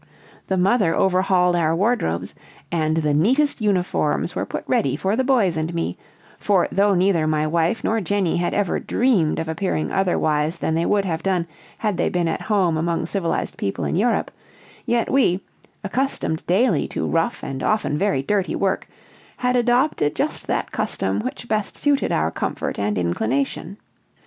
The mother overhauled our wardrobes, and the neatest uniforms were put ready for the boys and me, for though neither my wife nor Jenny had ever dreamed of appearing otherwise than they would have done had they been at home among civilized people in Europe, yet we, accustomed daily to rough and often even dirty work, had adopted just that custom which best suited our comfort and inclination.